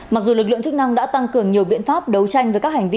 mặc dù lực lượng chức năng đã tăng cường nhiều biện pháp đấu tranh với các hành vi